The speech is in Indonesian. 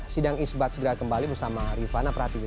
sidang isbat segera kembali bersama rifana pratiwi